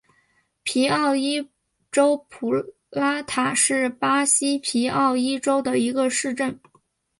皮奥伊州普拉塔是巴西皮奥伊州的一个市镇。